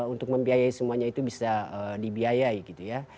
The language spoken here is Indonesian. untuk membiayai semuanya itu bisa dibiayai gitu ya